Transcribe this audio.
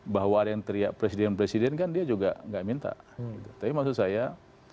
bahwa ada yang teriak presiden presiden kan dia juga gak minta gitu tapi masih ada yang minta juga jadi kita bisa berubah juga ya